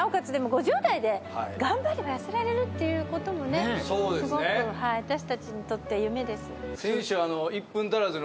５０代で頑張れば痩せられるってこともすごく私たちにとって夢です。